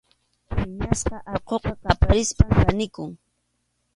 Phiñasqa allquqa qaparispam kanikun.